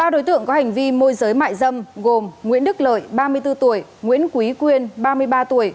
ba đối tượng có hành vi môi giới mại dâm gồm nguyễn đức lợi ba mươi bốn tuổi nguyễn quý quyên ba mươi ba tuổi